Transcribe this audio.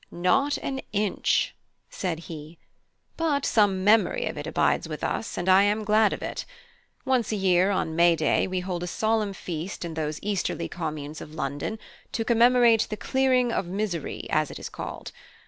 "Not an inch," said he; "but some memory of it abides with us, and I am glad of it. Once a year, on May day, we hold a solemn feast in those easterly communes of London to commemorate The Clearing of Misery, as it is called.